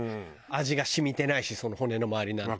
味が染みてないし骨の周りなんて。